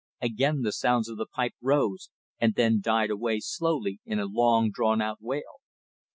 Again the sounds of the pipe rose and then died away slowly in a long drawn out wail.